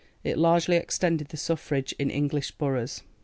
It largely extended the suffrage in English boroughs.